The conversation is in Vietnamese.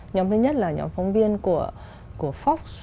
nhóm thứ nhất là nhóm phóng viên của fox